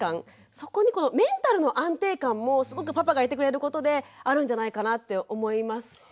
そこにこのメンタルの安定感もすごくパパがいてくれることであるんじゃないかなって思いますし。